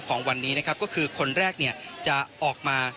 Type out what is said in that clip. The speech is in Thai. ของวันนี้นะครับก็คือคนแรกจะออกมา